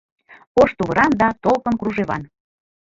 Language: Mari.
Ош тувыран да толкын кружеван.